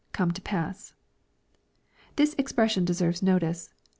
„co7ne to pass,] This expression de serves notice.